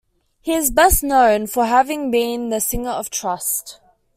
He is best known for having been the singer of Trust.